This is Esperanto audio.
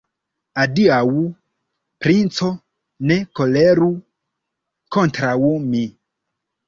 Adiaŭ, princo, ne koleru kontraŭ mi!